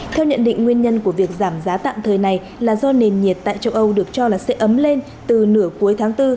theo nhận định nguyên nhân của việc giảm giá tạm thời này là do nền nhiệt tại châu âu được cho là sẽ ấm lên từ nửa cuối tháng bốn